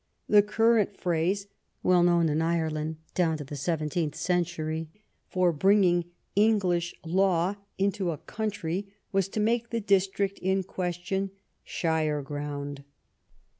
The current phrase (avcII known in Ireland down to the seventeenth century) for bringing English law into a country was to make the district in question " shire ground."